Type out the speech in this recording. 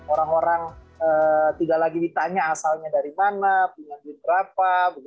orang orang tidak lagi ditanya asalnya dari mana punya duit berapa